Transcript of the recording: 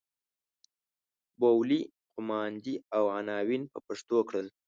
بولۍ قوماندې او عناوین په پښتو کړل.